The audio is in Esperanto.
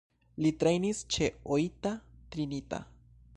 Li trejnis ĉe Oita Trinita.